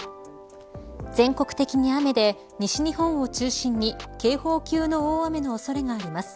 全国的に雨で西日本を中心に警報級の大雨の恐れがあります。